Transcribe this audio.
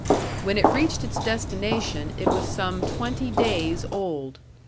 When it reached its destination, it was some twenty days old.